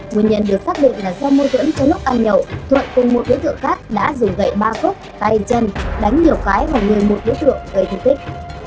nguyên nhân được xác định là do môi tuẫn trong lúc ăn nhậu thuật cùng một đứa tựa khác đã rủ gậy ba khúc tay chân đánh nhiều cái và người một đứa tựa gây thương tích